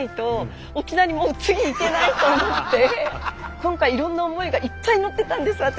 今回いろんな思いがいっぱい乗ってたんです私。